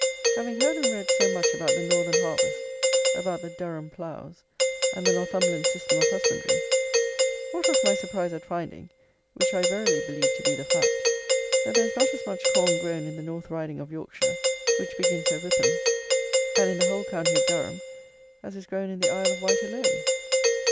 Having heard and read so much about the "Northern Harvest," about the "Durham ploughs," and the "Northumberland system of husbandry," what was my surprise at finding, which I verily believe to be the fact, that there is not as much corn grown in the North Riding of Yorkshire, which begins at Ripon, and in the whole county of Durham, as is grown in the Isle of Wight alone.